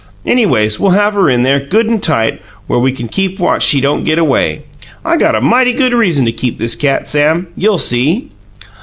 Anyways, we'll have her in there, good and tight, where we can watch she don't get away. I got a mighty good reason to keep this cat, Sam. You'll see."